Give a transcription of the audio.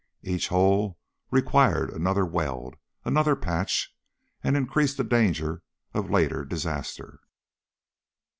Each hole required another weld, another patch, and increased the danger of later disaster.